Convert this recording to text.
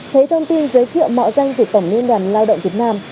thấy thông tin giới thiệu mạo danh của tổng liên đoàn lao động việt nam